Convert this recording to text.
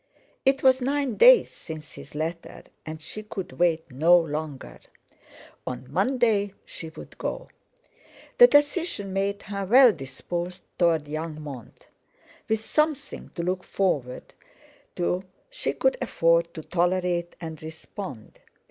It was nine days since his letter, and she could wait no longer. On Monday she would go! The decision made her well disposed toward young Mont. With something to look forward to she could afford to tolerate and respond.